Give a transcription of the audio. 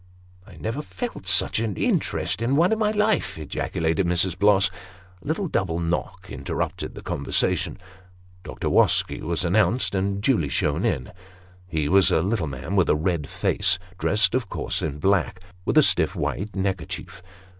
"I never felt such an interest in anyone in my life," ejaculated Mrs. Bloss. A little double knock interrupted the conversation ; Dr. Wosky was announced, and duly shown in. He was a little man with a red face, dressed of course in black, with a stiff white neckerchief.